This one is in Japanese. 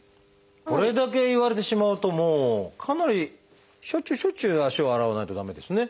これだけ言われてしまうともうかなりしょっちゅうしょっちゅう足を洗わないと駄目ですね。